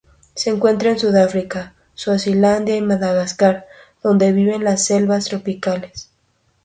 Se encuentra en Sudáfrica, Suazilandia y Madagascar, donde vive en las selvas tropicales.